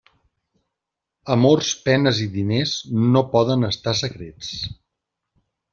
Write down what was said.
Amors, penes i diners, no poden estar secrets.